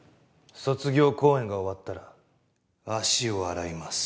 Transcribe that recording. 卒業公演が終わったら足を洗います。